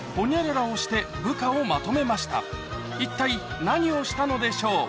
そこで一体何をしたのでしょう？